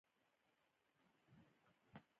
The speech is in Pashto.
خوړل د انا دعا راپه زړه کوي